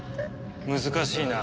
難しいな。